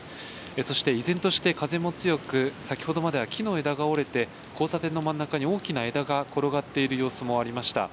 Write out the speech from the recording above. そして依然として風も強く、先ほどまでは木の枝が折れて、交差点の真ん中に大きな枝が転がっている様子もありました。